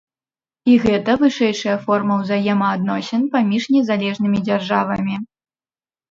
І гэта вышэйшая форма ўзаемаадносін паміж незалежнымі дзяржавамі.